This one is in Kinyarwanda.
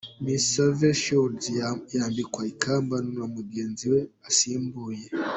Miss Savvy Shields yambikwa ikamba na mugenzi we asimbuye.